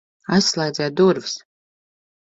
Aizslēdziet durvis!